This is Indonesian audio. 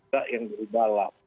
juga yang dari dalam